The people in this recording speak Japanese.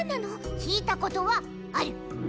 聞いたことはある！